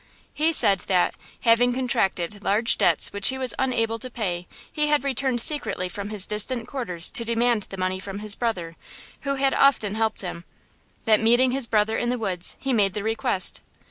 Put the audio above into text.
He said that, having contracted large debts which he was unable to pay he had returned secretly from his distant quarters to demand the money from his brother, who had often helped him; that, meeting his brother in the woods, he made this request.